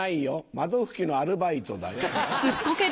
窓拭きのアルバイトだよ。